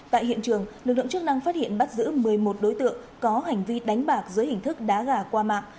tại hiện trường lực lượng chức năng phát hiện bắt giữ một mươi một đối tượng có hành vi đánh bạc dưới hình thức đá gà qua mạng